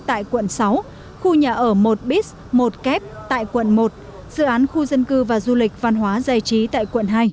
tại quận sáu khu nhà ở một biz một kép tại quận một dự án khu dân cư và du lịch văn hóa giải trí tại quận hai